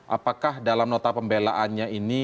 apakah dalam nota pembelaannya ini